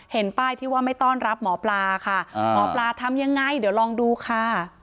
ป้ายที่ว่าไม่ต้อนรับหมอปลาค่ะหมอปลาทำยังไงเดี๋ยวลองดูค่ะ